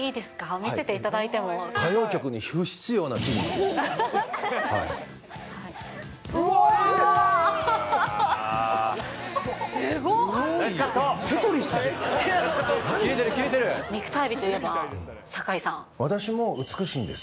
見せていただい歌謡曲に不必要な筋肉です。